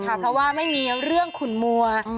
เพราะว่าไม่มีเรื่องขุนมัว